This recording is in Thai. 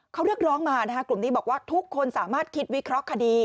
เขาระกรุ๊ปนี้บอกว่าทุกคนสามารถคิดวิเคราะห์คดี